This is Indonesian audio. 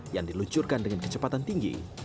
yang diluncurkan dengan kecepatan tinggi